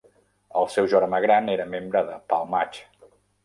El seu germà gran era membre de "Palmach".